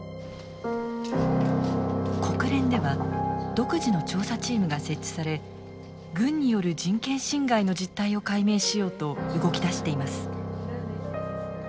国連では独自の調査チームが設置され軍による人権侵害の実態を解明しようと動き出しています。